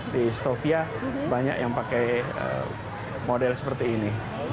di stovia banyak yang pakai model seperti ini